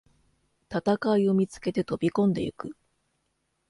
戦いを見つけて飛びこんでいく